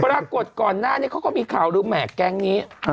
ประกวดก่อนน่านี่เขาก็มีข่าวดูแหม่แกรงนี้